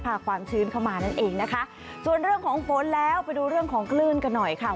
เอาไม่เอาไม่เอาไม่เอาไม่เอาไม่เอา